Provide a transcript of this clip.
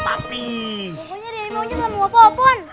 pokoknya debi mau nyusun mau apapun